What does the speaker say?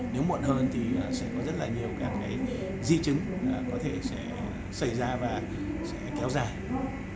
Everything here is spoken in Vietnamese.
nếu muộn hơn thì sẽ có rất là nhiều các cái di chứng có thể sẽ xảy ra và sẽ kéo dài